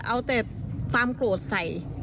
เอาแต่ความโกรธใส่